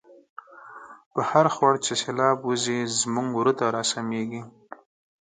په هرخوړ چی سیلاب وزی، زمونږ وره ته را سمیږی